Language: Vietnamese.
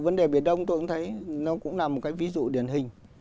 vấn đề biển đông tôi cũng thấy nó cũng là một cái ví dụ điển hình